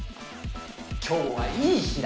今日はいい日だ！